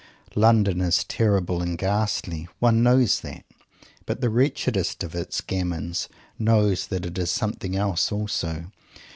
London is terrible and ghastly. One knows that; but the wretchedest of its "gamins" knows that it is something else also.